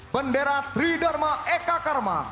bendera tridharma eka karma